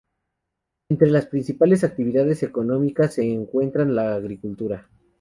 Entre las principales actividades económicas se encuentran la agricultura.